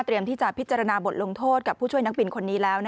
ที่จะพิจารณาบทลงโทษกับผู้ช่วยนักบินคนนี้แล้ว